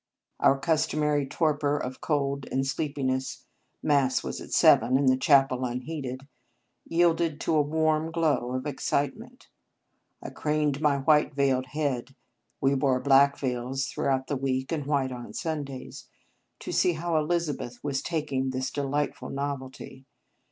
Our customary torpor of cold and sleepi ness Mass was at seven, and the chapel unheated yielded to a warm glow of excitement. I craned my white veiled head (we wore black veils throughout the week and white on Sundays) to see how Elizabeth was *ir : Convent Days taking this delightful novelty.